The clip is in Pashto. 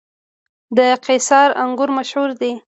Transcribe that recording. د قیصار انګور مشهور دي